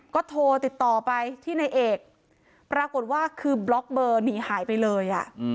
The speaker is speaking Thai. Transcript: ก็โทรติดต่อไปที่นายเอกปรากฏว่าคือบล็อกเบอร์หนีหายไปเลย